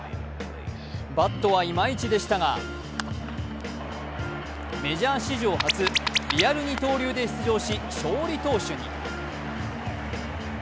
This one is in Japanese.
バットはいまいちでしたがメジャー史上初リアル二刀流で出場し、勝利投手に。